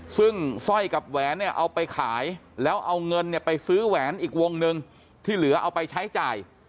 ซึ่งสร้อยกับแหวนเนี่ยเอาไปขายแล้วเอาเงินเนี่ยไปซื้อแหวนอีกวงหนึ่งที่เหลือเอาไปใช้จ่าย